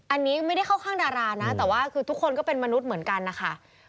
อันนี้ไม่ได้เข้าข้างดารานะแต่ว่าคือทุกคนก็เป็นมนุษย์เหมือนกันนะคะ